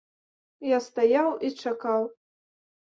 Я стаяў і чакаў.